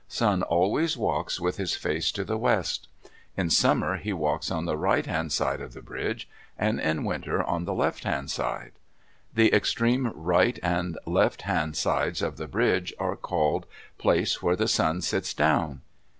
Sun always walks with his face to the west. In summer he walks on the right hand side of the bridge, and in winter at the left hand side. The extreme right and left hand sides of the bridge are called "Place where the Sun sits down."